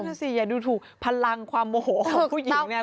ดูสิอย่าดูถูกพลังความโมโหของผู้หญิงเนี่ย